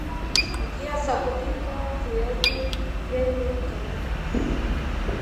njia za kupika viazi vyenye karanga